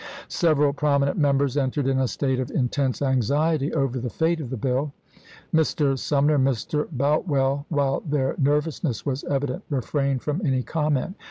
Several prominent members entered in a state of intense anxiety over the fate of the bill. Mr. Sum ner and Mr. Boutwell, while their nervousness was evident, refrained from any comment.